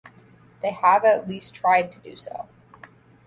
They have at least tried to do so.